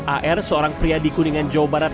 ar seorang pria di kuningan jawa barat